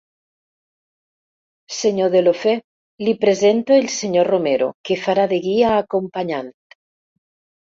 Senyor Deulofeu, li presento el senyor Romero, que farà de guia acompanyant.